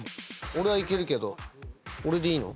俺はいけるけど俺でいいの？